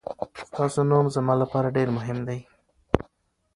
ستاسو نوم زما لپاره ډېر مهم دی.